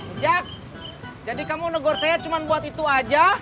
ajak jadi kamu negor saya cuma buat itu aja